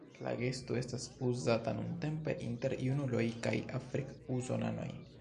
La gesto estas uzata nuntempe inter junuloj kaj afrik-usonanoj.